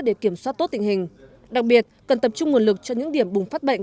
để kiểm soát tốt tình hình đặc biệt cần tập trung nguồn lực cho những điểm bùng phát bệnh